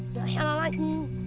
gak salah lagi